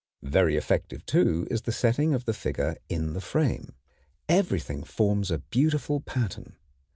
Very effective too is the setting of the figure in the frame. Everything forms a beautiful pattern.